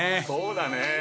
そうだね。